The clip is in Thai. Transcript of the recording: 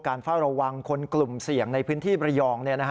เฝ้าระวังคนกลุ่มเสี่ยงในพื้นที่ประยอง